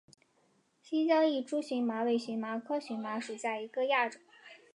新疆异株荨麻为荨麻科荨麻属下的一个亚种。